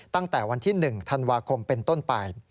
ตั้งแต่วันที่๑ธันวาคมเป็นต้นไป